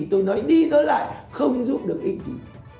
tôi nói đi tới lại không giúp được ích gì